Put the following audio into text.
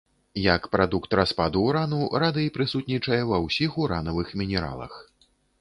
Як прадукт распаду урану, радый прысутнічае ва ўсіх уранавых мінералах.